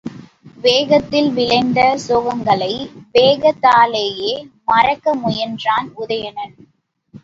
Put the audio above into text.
வேகத்தில் விளைந்த சோகங்களை வேகத்தாலேயே மறக்க முயன்றான் உதயணன்.